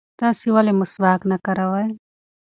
تاسې ولې مسواک نه کاروئ؟